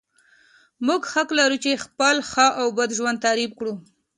موږ حق لرو چې خپل ښه او بد ژوند تعریف کړو.